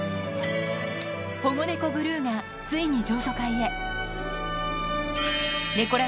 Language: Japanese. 保護猫ブルーが、ついに譲渡会へ。